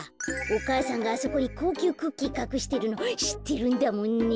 お母さんがあそこにこうきゅうクッキーかくしてるのしってるんだもんね。